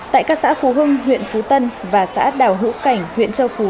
tại các xã phú hưng huyện phú tân và xã đào hữu cảnh huyện châu phú